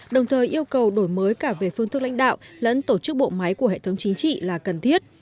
đồng thời yêu cầu đổi mới cả về phương thức lãnh đạo lẫn tổ chức bộ máy của hệ thống chính trị là cần thiết